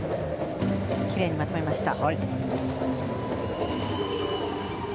きれいにまとめました。